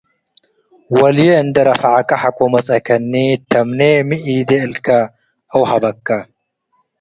ወልዬ እንዴ ረፍዐከ ሐቆ መጽአከኒ ትተምኔ ሚ ኢዴ እልከ አው ሀበከ